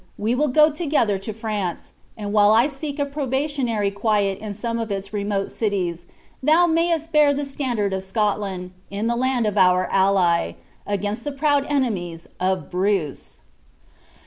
We will go together to France; and while I seek a probationary quiet in some of its remote cities, thou mayest bear the standard of Scotland, in the land of our ally, against the proud enemies of Bruce."